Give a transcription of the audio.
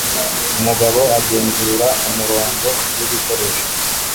Umugabo agenzura umurongo wibikoresho